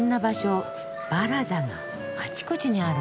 バラザがあちこちにあるんだ。